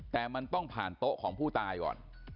แต่มันต้องผ่านโต๊ะของผู้ตายก่อน